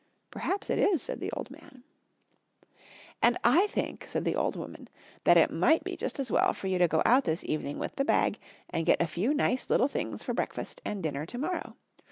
"Perhaps it is," said the old man. "And I think," said the old woman, "that it might be just as well for you to go out this evening with the bag and get a few nice little things for breakfast and dinner to morrow.